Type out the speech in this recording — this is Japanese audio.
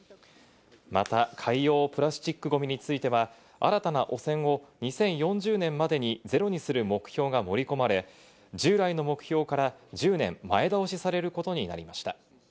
また海洋プラスチックごみについては、新たな汚染を２０４０年までにゼロにする目標が盛り込まれ、従来の目標から１０年前倒しされることになりました。